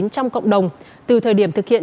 trong cộng đồng từ thời điểm thực hiện